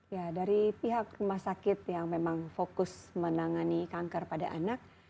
ya dari pihak rumah sakit yang memang fokus menangani kanker pada anak